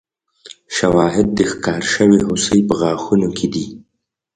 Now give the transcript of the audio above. شواهد د ښکار شوې هوسۍ په غاښونو کې دي.